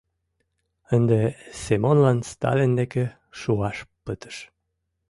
— Ынде Семонлан Сталин деке шуаш пытыш!